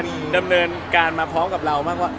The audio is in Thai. เป็นดำเนินมาพร้อมกับเราแบบ